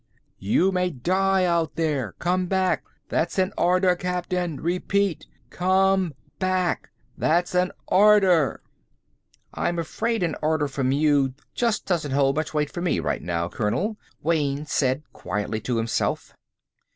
YOU MAY DIE OUT THERE. COME BACK. THAT'S AN ORDER, CAPTAIN. REPEAT: COME BACK. THAT'S AN ORDER!" "I'm afraid an order from you just doesn't hold much weight for me right now, Colonel," Wayne said quietly, to himself.